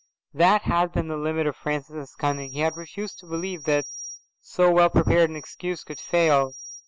That had been the limit of Francis's cunning. He had refused to believe that so well prepared an excuse could fail.